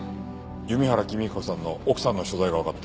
弓原公彦さんの奥さんの所在がわかった。